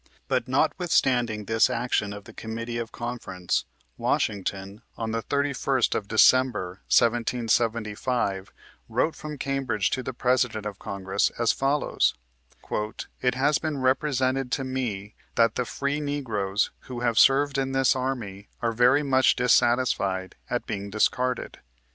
But notwithstanding this action of the Committee of Conference, Washington, on the 31st of December, 1775, wrote from Cambridge to the President of Congress as follows :—" It has been represented to me that the free Negroes who have served in this army are very much dissatisfied at being discarded.